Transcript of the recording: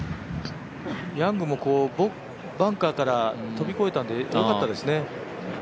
ヤングもバンカーから、飛び越えたので良かったですね。